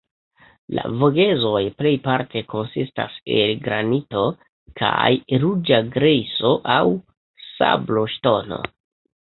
La Vogezoj plejparte konsistas el granito kaj ruĝa grejso aŭ sabloŝtono.